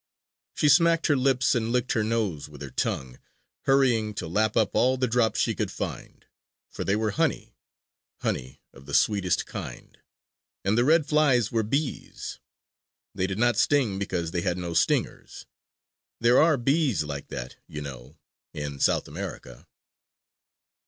She smacked her lips and licked her nose with her tongue, hurrying to lap up all the drops she could find. For they were honey, honey of the sweetest kind. And the red flies were bees! They did not sting because they had no stingers! There are bees like that, you know, in South America.